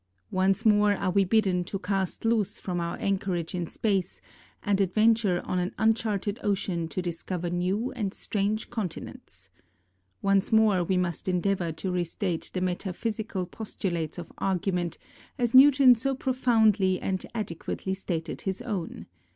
Once niore we are bidden to cast loose from our anchorage in space, and adventure on an uncharted ocean to discover new and strange continents. Once more we must endeavour to restate the metaphysical postulates of argument as Newton so profoundly and adequately stated his own.